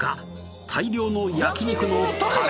大量の焼肉のたれ